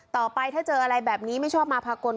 ต่อไปถ้าเจออะไรแบบนี้ไม่ชอบมาพากล